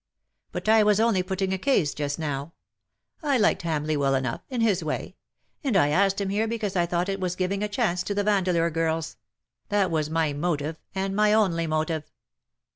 But I was only putting a case, just now. I liked Hamleigh well enough — in his way — and 1 asked him here because I thought it was giving a chance to the Vandeleur girls. That was my motive — and my only motive.